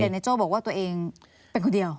แต่นายโจ้บอกว่าตัวเองเป็นคนเดียว